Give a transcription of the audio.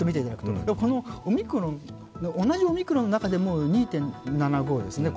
このオミクロン、同じオミクロンの中でも２．７５ですよね。